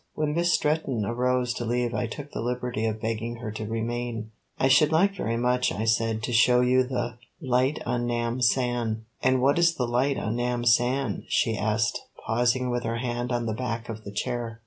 When Miss Stretton arose to leave I took the liberty of begging her to remain. "I should like very much," I said, "to show you the light on Nam san." "And what is the light on Nam san?" she asked, pausing with her hand on the back of the chair.